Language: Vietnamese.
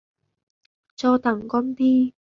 Cho thằng con thi